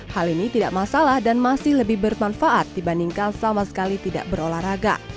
hal ini tidak masalah dan masih lebih bermanfaat dibandingkan sama sekali tidak berolahraga